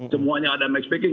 semuanya ada max picking